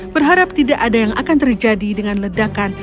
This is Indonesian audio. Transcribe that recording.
berharap tidak ada yang akan terjadi dengan ledakan